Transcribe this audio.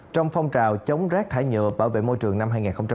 trong phong trào chống rác thải nhựa bảo vệ môi trường năm hai nghìn một mươi chín